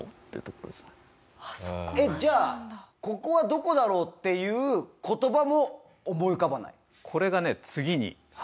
えっじゃあ「ここはどこだろう？」っていう言葉も思い浮かばない？